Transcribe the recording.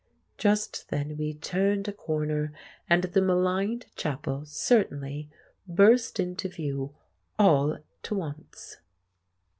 Just then we turned a corner, and the maligned chapel certainly burst into view "all to once."